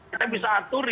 kita bisa atur